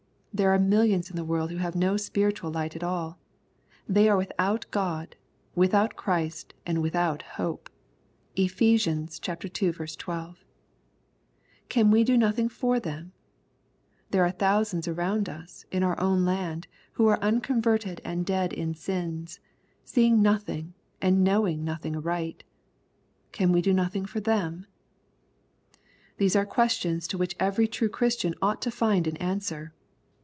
There are millions in the world who have no spiritual light at all. They are without God, without Christ, and without hope, (Ephes. ii. 12.) Can we do nothing for them 7 — There are thousands around us, in our own land, who are unconverted and dead in sins, see ing nothing and knowing nothing aright. Can we do nothing for them ?— These are questions to which every true Christian ought to find an answer.